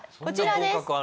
こちらです。